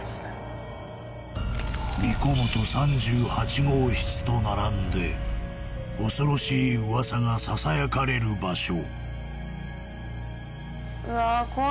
神子元３８号室と並んで恐ろしい噂がささやかれる場所